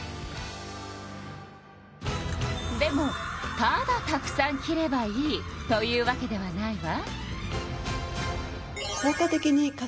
でもただたくさん着ればいいというわけではないわ。